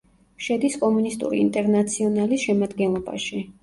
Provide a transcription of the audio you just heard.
შედის კომუნისტური ინტერნაციონალის შემადგენლობაში.